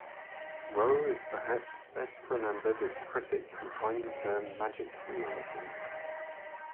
Roh is perhaps best remembered as the critic who coined the term magic realism.